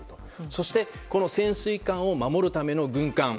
そして、潜水艦を守るための軍艦。